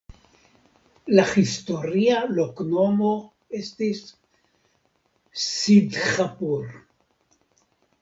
La historia loknomo estis "Sidhhapur".